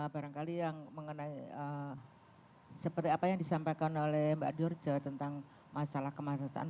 barangkali yang mengenai seperti apa yang disampaikan oleh mbak durjo tentang masalah kemanusiaan